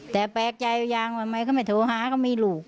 แต่แปลกใจอยู่อยากว่าไม้คุณมาโทรหามีลูก